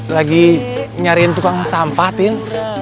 lagi nyariin tukang sampah tin